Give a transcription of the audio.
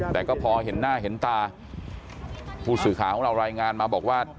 แต่ก็พอเห็นหน้าเห็นตาผู้สื่อข่าวของเรารายงานมาบอกว่า